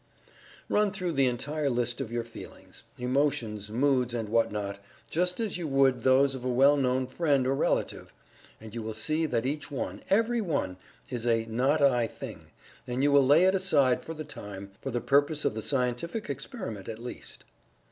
Run through the entire list of your feelings; emotions; moods; and what not, just as you would those of a well known friend or relative, and you will see that each one every one is a "not I" thing, and you will lay it aside for the time, for the purpose of the scientific experiment, at least.